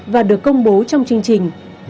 và được công bố trong chương trình